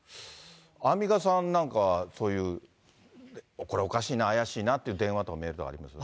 アンミカさんなんかは、そういう、これ、おかしいな、怪しいなっていう電話とかメールありますか？